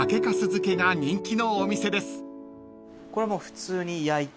これもう普通に焼いて？